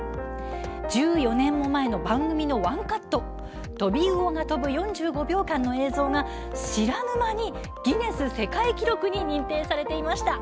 １４年も前の、番組のワンカットトビウオが飛ぶ４５秒間の映像が知らぬ間にギネス世界記録に認定されていました。